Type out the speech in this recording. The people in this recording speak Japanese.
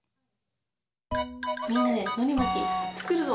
みんなでのりまきつくるぞ！